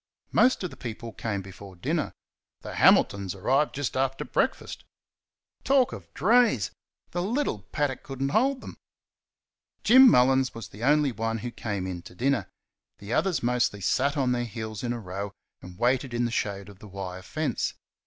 Most of the people came before dinner; the Hamiltons arrived just after breakfast. Talk of drays! the little paddock could n't hold them. Jim Mullins was the only one who came in to dinner; the others mostly sat on their heels in a row and waited in the shade of the wire fence.